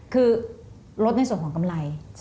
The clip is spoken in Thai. คือลดในส่วนของกำไร